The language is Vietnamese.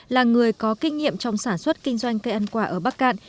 là người có kinh nghiệm trong sản xuất kinh doanh cây ăn quả ở bắc cạn